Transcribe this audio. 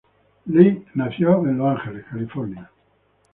Lee nació en Los Ángeles, California.